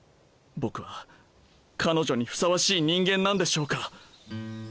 僕は彼女にふさわしい人間なんでしょうか？